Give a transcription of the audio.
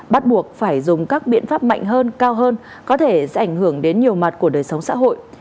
bắt buộc phải dùng các biện pháp mạnh hơn cao hơn có thể sẽ ảnh hưởng đến nhiều mặt của đời sống xã hội